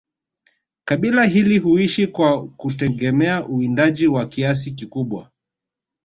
kabila hili huishi kwa kutegemea uwindaji kwa kiasi kikubwa